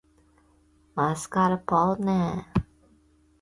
上面這句自動補完